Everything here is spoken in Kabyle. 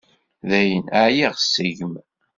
Dayen, ɛyiɣ seg-m.